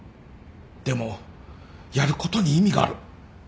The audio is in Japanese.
でもやることに意味がある